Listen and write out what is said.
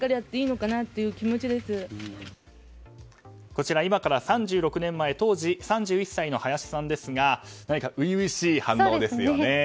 こちらは今から３６年前当時３１歳の林さんですが何か初々しい反応ですよね。